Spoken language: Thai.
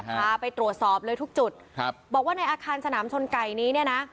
พาไปตรวจสอบเลยทุกจุดครับบอกว่าในอาคารสนามชนไก่นี้เนี่ยนะ